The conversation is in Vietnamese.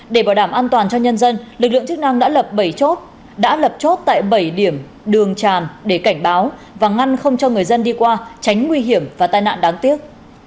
để bảo đảm an toàn cho nhân dân lực lượng chức năng đã lập chốt tại bảy điểm đường tràn để cảnh báo và ngăn không cho người dân đi qua tránh nguy hiểm và tai nạn đáng tiếc